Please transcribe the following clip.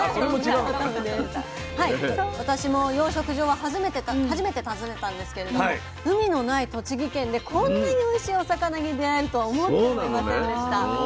私も養殖場は初めて訪ねたんですけれども海のない栃木県でこんなにおいしいお魚に出会えるとは思ってもいませんでした。